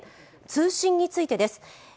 通信についてです。